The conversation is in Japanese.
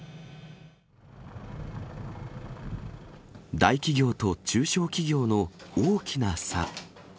大企業と中小企業の大きな差。